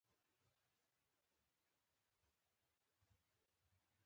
د مرګي ناڅاپي او بې رحمه وو.